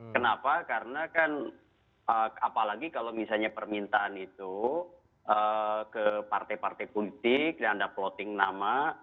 kenapa karena kan apalagi kalau misalnya permintaan itu ke partai partai politik dan ada plotting nama